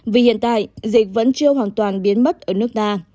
vì hiện tại dịch vẫn chưa hoàn toàn biến mất ở nước ta